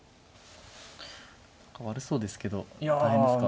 何か悪そうですけど大変ですか。